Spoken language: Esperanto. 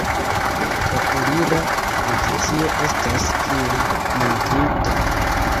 La elira pozicio estas kiel montrita.